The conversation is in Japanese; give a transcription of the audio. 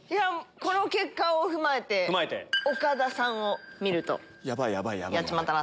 この結果を踏まえて岡田さんを見るとやっちまったな！